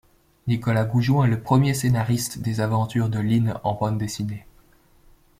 Nicolas Goujon est le premier scénariste des aventures de Line en bande dessinée.